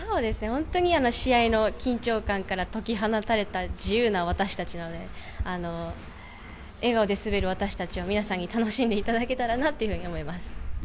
本当に試合の緊張感から解き放たれた自由な私たちなので笑顔で滑り私たちを皆さんに楽しんでいただければと思います。